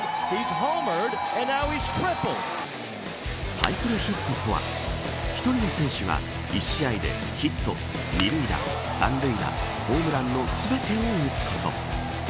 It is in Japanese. サイクルヒットとは１人の選手が１試合でヒット、二塁打三塁打、ホームランの全てを打つこと。